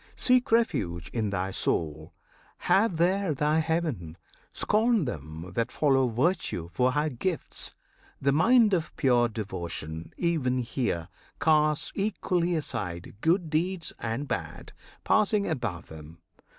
Seek refuge in thy soul; have there thy heaven! Scorn them that follow virtue for her gifts! The mind of pure devotion even here Casts equally aside good deeds and bad, Passing above them.